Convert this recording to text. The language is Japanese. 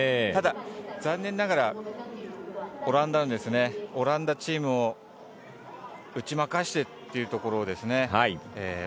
ただ、残念ながらオランダチームを打ち負かしてというところですね